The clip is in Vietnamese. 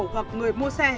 hoặc người mua xe